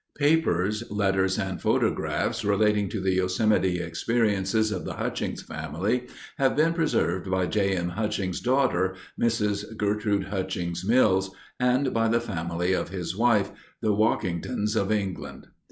Papers, letters, and photographs relating to the Yosemite experiences of the Hutchings family have been preserved by J. M. Hutchings' daughter, Mrs. Gertrude Hutchings Mills, and by the family of his wife, the Walkingtons of England.